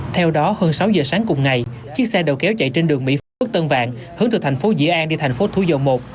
theo đó hơn sáu giờ sáng cùng ngày chiếc xe đầu kéo chạy trên đường mỹ phước tân vạn hướng từ thành phố dĩa an đi thành phố thú dậu một